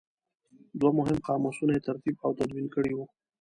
دوه مهم قاموسونه یې ترتیب او تدوین کړي وو.